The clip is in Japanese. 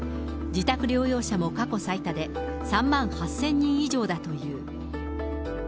自宅療養者も過去最多で、３万８０００人以上だという。